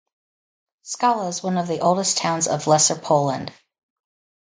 Skala is one of the oldest town of Lesser Poland.